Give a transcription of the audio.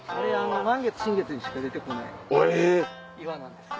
満月新月にしか出てこない岩なんですけど。